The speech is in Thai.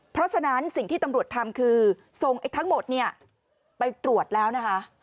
เพราะฉะนั้นสิ่งที่ตำรวจทำคือส่งทั้งหมดเนี่ยไปตรวจแล้วนะคะ